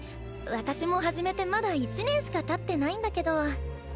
私も始めてまだ１年しかたってないんだけど。